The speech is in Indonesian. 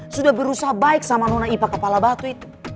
sudah berusaha baik sama nona ipa kepala batu itu